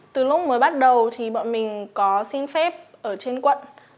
từ lúc mới bắt đầu thì bọn mình có xin phép ở trên quận